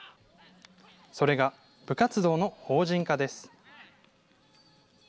それが部活動の法人化です。